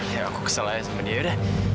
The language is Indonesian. ya aku kesal aja sama dia yaudah